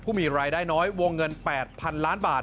มีรายได้น้อยวงเงิน๘๐๐๐ล้านบาท